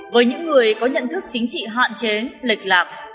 với những người có nhận thức chính trị hạn chế lệch lạc